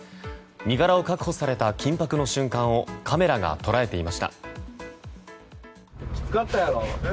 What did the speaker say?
身柄を確保された緊迫の瞬間をカメラが捉えていました。